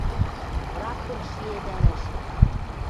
Враг дон шиэдӓлӓш».